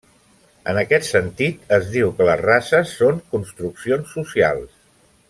En aquest sentit, es diu que les races són construccions socials.